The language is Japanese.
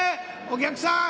お客さん